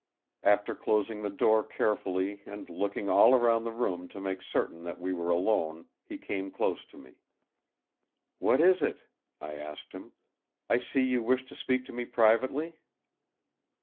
After closing the door carefully and looking all round the room to make certain that we were alone, he came close to me. "What is it?" I asked him. "I see you wish to speak to me privately."